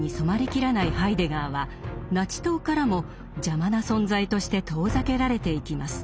切らないハイデガーはナチ党からも邪魔な存在として遠ざけられていきます。